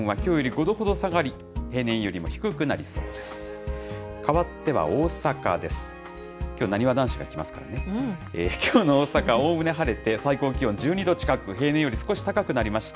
きょうの大阪、おおむね晴れて、最高気温１２度近く、平年より少し高くなりました。